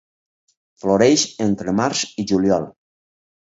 Floreix entre març i juliol.